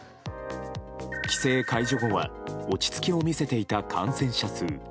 規制解除後は落ち着きを見せていた感染者数。